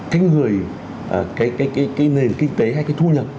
cái nền kinh tế hay cái thu nhập